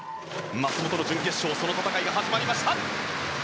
松元の準決勝その戦いが始まりました。